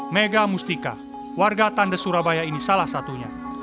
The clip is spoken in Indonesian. mega mustika warga tande surabaya ini salah satunya